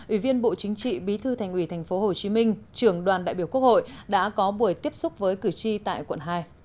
ủy viên bộ chính trị bí thư thành ủy tp hcm trưởng đoàn đại biểu quốc hội đã có buổi tiếp xúc với cử tri tại quận hai